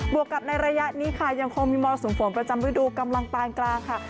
วกกับในระยะนี้ค่ะยังคงมีมรสุมฝนประจำฤดูกำลังปานกลางค่ะ